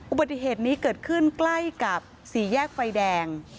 อุบัติเหตุนี้เกิดขึ้นใกล้กับสี่แยกไฟแดง